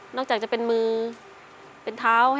จากจะเป็นมือเป็นเท้า